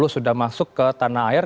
sudah masuk ke tanah air